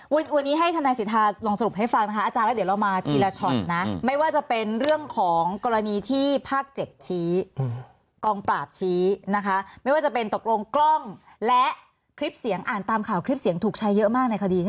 วันนี้ให้ทนายสิทธาลองสรุปให้ฟังนะคะอาจารย์แล้วเดี๋ยวเรามาทีละช็อตนะไม่ว่าจะเป็นเรื่องของกรณีที่ภาค๗ชี้กองปราบชี้นะคะไม่ว่าจะเป็นตกลงกล้องและคลิปเสียงอ่านตามข่าวคลิปเสียงถูกใช้เยอะมากในคดีใช่ไหม